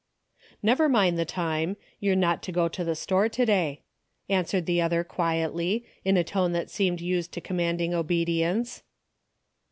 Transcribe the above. "Hever mind the time. You're not to go to the store to day," answered the other quietly, in a tone that seemed used to com manding obedience.